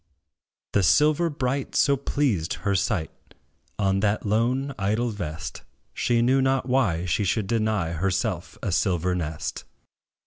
The silver bright so pleased her sight, On that lone, idle vest, She knew not why she should deny Herself a silver nest.